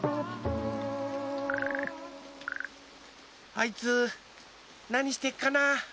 あいつなにしってかなあ？